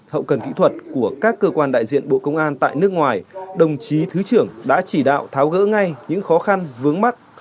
hậu cần kỹ thuật của các cơ quan đại diện bộ công an tại nước ngoài đồng chí thứ trưởng đã chỉ đạo tháo gỡ ngay những khó khăn vướng mắt